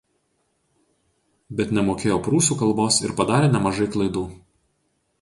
Bet nemokėjo prūsų kalbos ir padarė nemažai klaidų.